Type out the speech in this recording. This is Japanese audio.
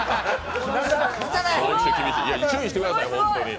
注意してください、本当に。